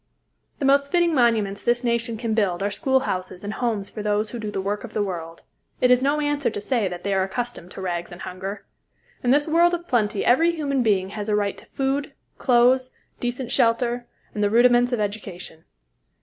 The most fitting monuments this nation can build are schoolhouses and homes for those who do the work of the world. It is no answer to say that they are accustomed to rags and hunger. In this world of plenty every human being has a right to food, clothes, decent shelter, and the rudiments of education.